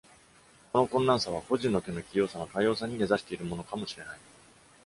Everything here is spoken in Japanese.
この困難さは、個人の手の器用さの多様さに根差しているものかもしれない。